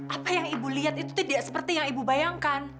apa yang ibu lihat itu tidak seperti yang ibu bayangkan